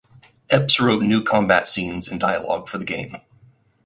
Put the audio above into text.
Epps wrote new combat scenes and dialogue for the game.